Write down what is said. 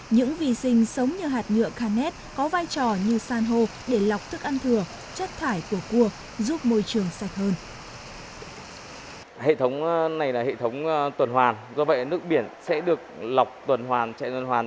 những vi sinh sống nhờ hạt nhựa canet có vai trò như san hô để lọc thức ăn thừa chất thải của cua giúp môi trường sạch hơn